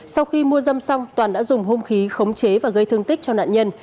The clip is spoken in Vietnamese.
sau khi mua dâm xong toàn đã dùng hôm khí không chế và gây thương tích cho nạn nhân